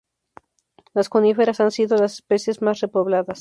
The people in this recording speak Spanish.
Las coníferas han sido las especies más repobladas.